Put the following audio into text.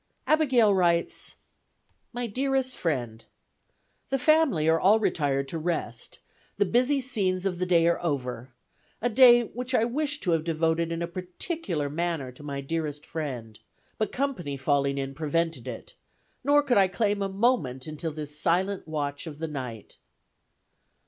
Abigail writes: "MY DEAREST FRIEND, The family are all retired to rest; the busy scenes of the day are over; a day which I wished to have devoted in a particular manner to my dearest friend; but company falling in prevented it, nor could I claim a moment until this silent watch of the night.